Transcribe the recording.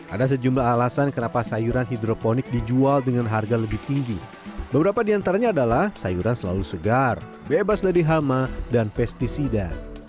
ada sejumlah alasan kenapa sayuran hidroponik dijual dengan harga lebih tinggi beberapa diantaranya adalah sayuran selalu segar bebas dari hama dan pesticida